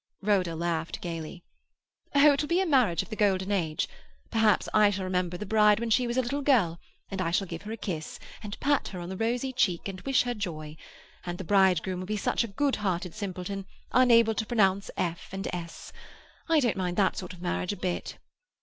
Rhoda laughed gaily. "Oh, it will be a marriage of the golden age! Perhaps I shall remember the bride when she was a little girl; and I shall give her a kiss, and pat her on the rosy cheek, and wish her joy. And the bridegroom will be such a good hearted simpleton, unable to pronounce f and s. I don't mind that sort of marriage a bit!"